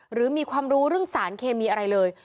หรือมีความรู้เรื่องสารเคมีอะไรเลย